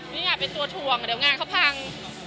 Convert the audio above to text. ไม่อยากเป็นตัวถ่วงเดี๋ยวงานเขาพัง